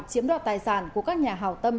chiếm đoạt tài sản của các nhà hào tâm